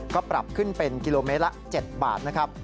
ก็ปรับขึ้นเป็นกิโลเมตรละ๗บาทนะครับ